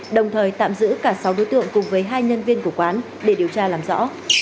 đồng thời tạm giữ cả sáu đối tượng cùng với hai nhân viên của quán để điều tra làm rõ